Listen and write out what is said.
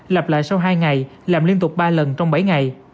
lặp lại sau hai ngày làm liên tục ba lần trong bảy ngày